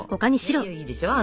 いいでしょ。